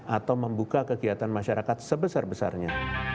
atau membuka kegiatan masyarakat sebesar besarnya